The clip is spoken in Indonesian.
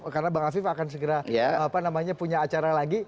karena bang afif akan segera punya acara lagi